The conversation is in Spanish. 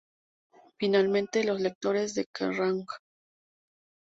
Finalmente, los lectores de "Kerrang!